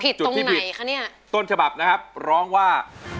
จุดที่ผิดต้นฉบับนะครับร้องว่า